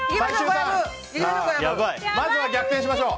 まずは逆転しましょう。